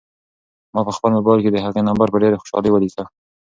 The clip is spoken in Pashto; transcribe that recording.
ما په خپل موبایل کې د هغې نمبر په ډېرې خوشحالۍ ولیکه.